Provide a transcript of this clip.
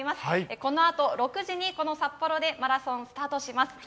このあと６時にこの札幌でマラソンスタートします。